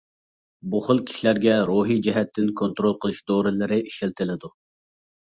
بۇ خىل كىشىلەرگە روھىي جەھەتتىن كونترول قىلىش دورىلىرى ئىشلىتىلىدۇ.